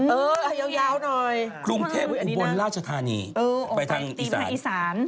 เออยาวหน่อยกรุงเทพหรืออันบนราชธานีไปทางอีสาน